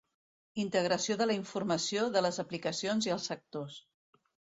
Integració de la informació, de les aplicacions i els sectors.